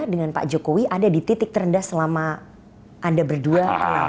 dengan pak jokowi ada di titik terendah selama anda berdua